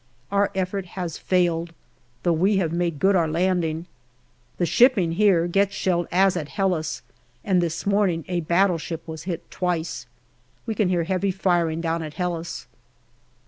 Our effort has failed, though we have made good our landing. The shipping here gets shelled as at Helles, and this morning a battleship was hit twice. We can hear heavy firing down at Helles.